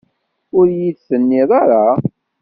Ur iyi-d-tettinid ara?